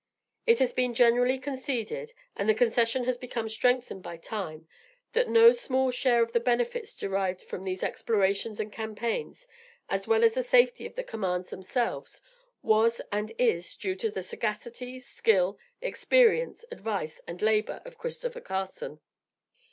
It has been generally conceded, and the concession has become strengthened by time, that no small share of the benefits derived from these explorations and campaigns, as well as the safety of the commands themselves, was and is due to the sagacity, skill, experience, advice and labor of Christopher Carson.